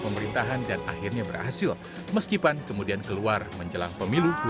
pemerintahan dan akhirnya berhasil meskipun kemudian keluar menjelang pemilu dua ribu sembilan belas